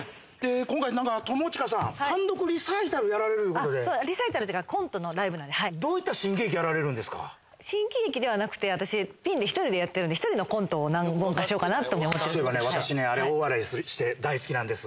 今回なんか友近さん単独リサイタルやられるいうことでリサイタルっていうかコントのライブなんでどういった新喜劇やられるんですか新喜劇ではなくて私ピンで１人でやってるんで１人のコントを何本かしようかなとそういえば私ねあれ大笑いして大好きなんです